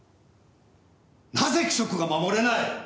なぜ規則が守れない！？